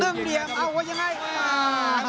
ดึงเดี่ยมอ้าวว่ายังไงอ้าว